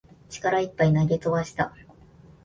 力いっぱい投げ飛ばした